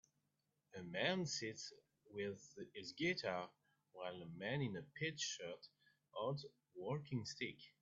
A man sits with his guitar while a man in a peach shirt holds a walking stick.